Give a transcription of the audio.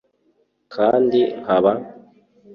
kandi nkaba